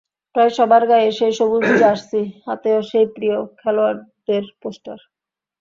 প্রায় সবার গায়ে সেই সবুজ জার্সি, হাতেও সেই প্রিয় খেলোয়াড়দের পোস্টার।